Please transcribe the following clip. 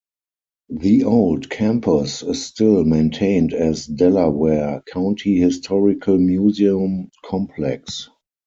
The old campus is still maintained as Delaware County Historical Museum Complex.